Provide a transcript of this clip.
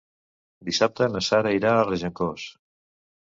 Dissabte na Sara irà a Regencós.